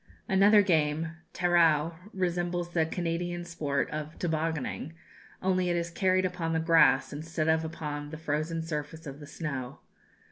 Another game, tarua, resembles the Canadian sport of "tobogonning," only it is carried on upon the grass instead of upon the frozen surface of the snow.